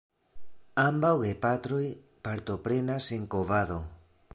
Ambaŭ gepatroj partoprenas en kovado.